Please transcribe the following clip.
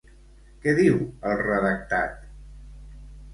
Què diu el redactat?